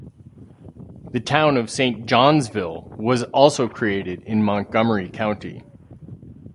The Town of Saint Johnsville was also created in Montgomery County.